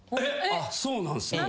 あっそうなんすね。